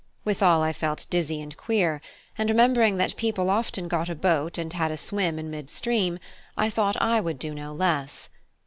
Withal I felt dizzy and queer; and remembering that people often got a boat and had a swim in mid stream, I thought I would do no less.